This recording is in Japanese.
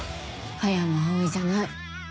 葉山葵じゃない。